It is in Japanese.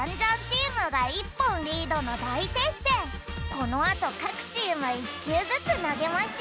このあとかくチーム１きゅうずつなげましゅ。